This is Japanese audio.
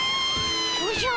おじゃ。